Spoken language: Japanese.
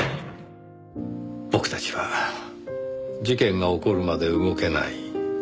僕たちは事件が起こるまで動けない。